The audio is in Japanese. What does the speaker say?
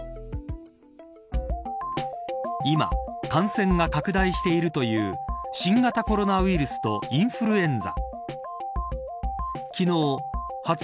今、感染が拡大しているという新型コロナウイルスとインフルエンザ。